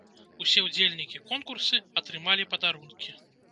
Усе ўдзельнікі конкурсы атрымалі падарункі.